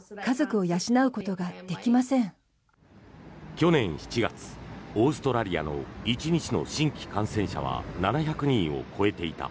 去年７月、オーストラリアの１日の新規感染者は７００人を超えていた。